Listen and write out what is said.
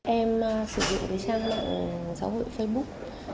em sử dụng cái trang mạng xã hội facebook